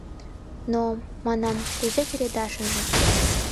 Но, манам, кузе тӱредашыже?